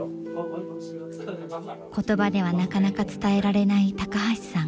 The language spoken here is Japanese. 言葉ではなかなか伝えられない高橋さん。